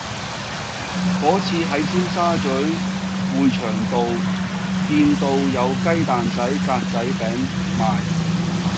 嗰次喺尖沙咀匯翔道見到有雞蛋仔格仔餅賣